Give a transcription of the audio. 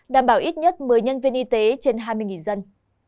đảm bảo ít nhất một mươi nhân viên y tế trên hai mươi dân